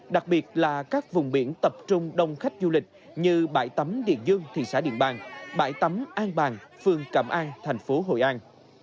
đặc biệt là các vùng biển tập trung đông khách du lịch như bãi tắm điện dương thị xã điện bàn bãi tắm an bàng phường cẩm an thành phố hội an